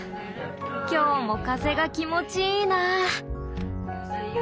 今日も風が気持ちいいなぁ。